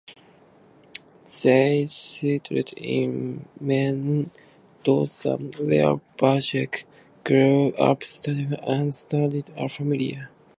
They settled in Mendoza, where Bajuk grew up, studied and started a family.